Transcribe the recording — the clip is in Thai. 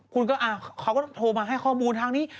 คุณก็เขาก็โทรมาให้ข้อมูลทางนี้